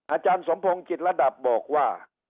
อาจารย์สมพงศ์จิตระดับบอกว่า